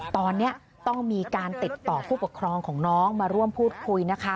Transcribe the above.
ตอนนี้ต้องมีการติดต่อผู้ปกครองของน้องมาร่วมพูดคุยนะคะ